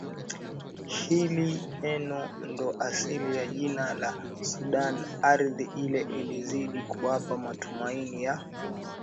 Hili neno ndo asili ya jina la sudani Ardhi ile ilizidi kuwapa Matumaini ya